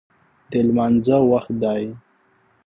د لمانځه وخت دی